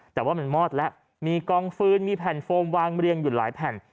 แต่ว่ามันมอดแล้วมีกองฟื้นมีแผ่นโฟมวางเรียงอยู่หลายแผ่น